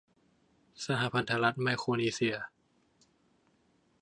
สหพันธรัฐไมโครนีเซีย